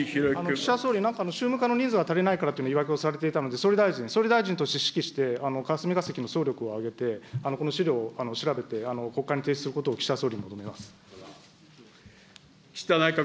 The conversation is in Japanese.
岸田総理、なんか宗務課の人数が足りないからという言い訳をされていたので、総理大臣、総理大臣として指揮して、霞が関の総力を挙げてこの資料を調べて、国会に提出することを岸田総理に求めます。